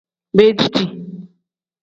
Beediti.